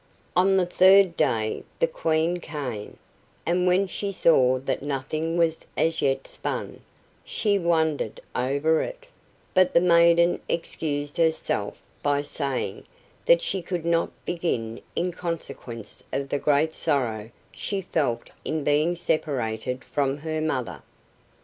On the third day the Queen came, and when she saw that nothing was as yet spun, she wondered over it, but the maiden excused herself by saying that she could not begin in consequence of the great sorrow she felt in being separated from her mother.